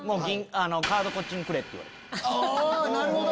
おなるほど。